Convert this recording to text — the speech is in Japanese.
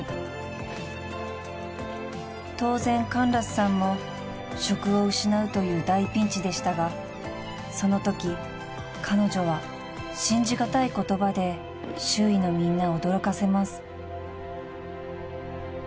［当然カンラスさんも職を失うという大ピンチでしたがそのとき彼女は信じ難い言葉で周囲のみんなを驚かせます］